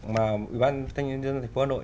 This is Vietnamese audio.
mà ubnd tp hcm